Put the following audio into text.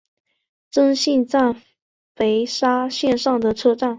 真幸站肥萨线上的车站。